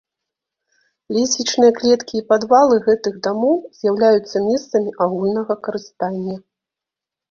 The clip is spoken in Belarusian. Лесвічныя клеткі і падвалы гэтых дамоў з'яўляюцца месцамі агульнага карыстання.